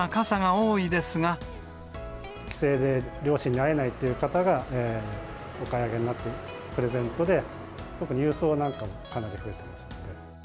帰省で両親に会えないという方がお買い上げになって、プレゼントで、特に郵送なんかもかなり増えてますね。